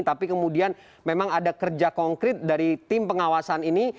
tapi kemudian memang ada kerja konkret dari tim pengawasan ini